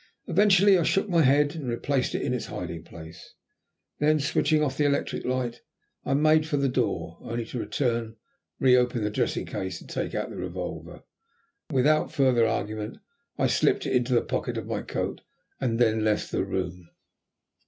Eventually I shook my head and replaced it in its hiding place. Then, switching off the electric light, I made for the door, only to return, re open the dressing case, and take out the revolver. Without further argument I slipped it into the pocket of my coat and then left the room.